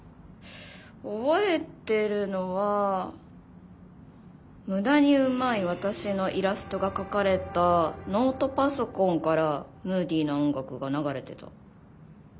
覚えてるのは無駄にうまい私のイラストが描かれたノートパソコンからムーディーな音楽が流れてた。